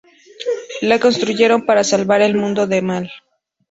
La construyeron para salvar al mundo de mal.